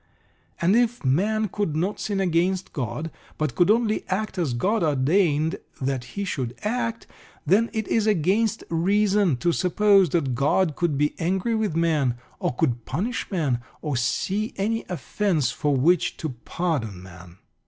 And if man could not sin against God, but could only act as God ordained that he should act, then it is against reason to suppose that God could be angry with man, or could punish man, or see any offence for which to pardon man.